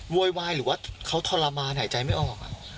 โวยวายหรือว่าเขาทรมานหายใจไม่ออก